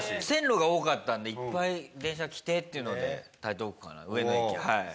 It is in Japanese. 線路が多かったんでいっぱい電車来てというので台東区かな上野駅。